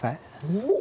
おっ。